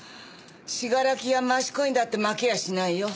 信楽や益子にだって負けやしないよ。